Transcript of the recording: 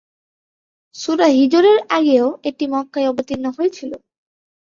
সূরা হিযর-এরও আগে এটি মক্কায় অবতীর্ণ হয়েছিল।